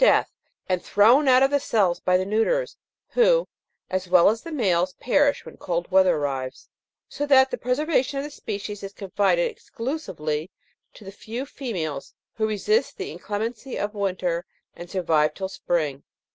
death and thrown out of the cells by the neuters, who, as well as the males, perish when cold weather arrives ; so that the pre servation of the species is confided exclusively to the few females who resist the inclemency, of winter and survive till spring.